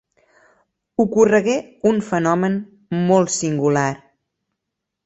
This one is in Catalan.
Ocorregué un fenomen molt singular.